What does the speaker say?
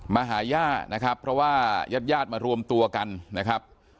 มาหาย่านะครับเพราะว่าญาติญาติมารวมตัวกันนะครับ